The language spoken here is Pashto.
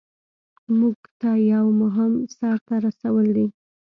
مونږ ته یو مهم سر ته رسول دي.